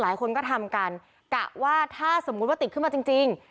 หลายคนก็ทำกันกะว่าถ้าสมมุติว่าติดขึ้นมาจริงจริง